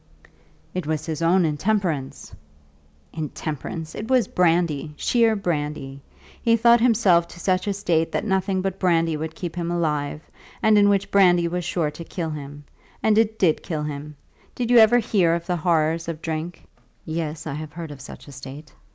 "It was his own intemperance!" "Intemperance! It was brandy, sheer brandy. He brought himself to such a state that nothing but brandy would keep him alive, and in which brandy was sure to kill him; and it did kill him. Did you ever hear of the horrors of drink?" "Yes; I have heard of such a state."